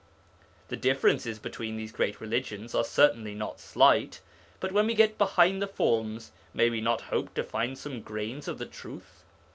The differences between these great religions are certainly not slight. But when we get behind the forms, may we not hope to find some grains of the truth?